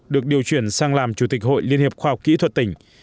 được điều chuyển sang làm chủ tịch hội liên hiệp khoa học kỹ thuật tỉnh